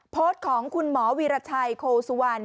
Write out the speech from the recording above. โพสต์ของคุณหมอวีรชัยโคสุวรรณ